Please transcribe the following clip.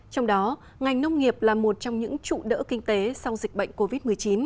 trong đó ngành nông nghiệp là một trong những trụ đỡ kinh tế sau dịch bệnh covid một mươi chín